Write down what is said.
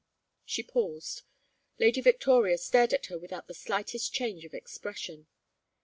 She paused. Lady Victoria stared at her without the slightest change of expression.